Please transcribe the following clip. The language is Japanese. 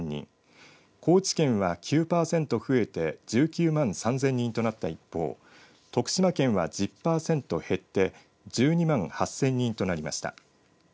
高知県は、９パーセント増えて１９万３０００人となった一方徳島県は１０パーセント減って１２万８０００人となりました。